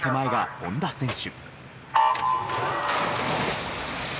本多選手。